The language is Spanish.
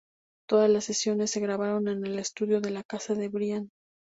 Todas las sesiones se grabaron en el estudio de la casa de Brian.